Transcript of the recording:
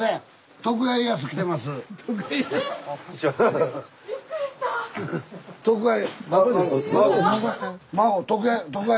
徳川家康や。